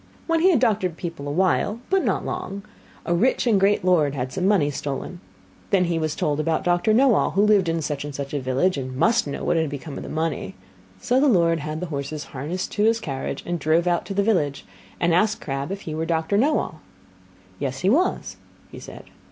When he had doctored people awhile, but not long, a rich and great lord had some money stolen. Then he was told about Doctor Knowall who lived in such and such a village, and must know what had become of the money. So the lord had the horses harnessed to his carriage, drove out to the village, and asked Crabb if he were Doctor Knowall. Yes, he was, he said.